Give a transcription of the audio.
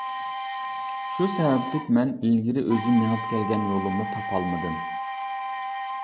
شۇ سەۋەبلىك مەن ئىلگىرى ئۆزۈم مېڭىپ كەلگەن يولۇمنى تاپالمىدىم.